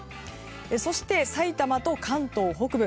そして、さいたまと関東北部。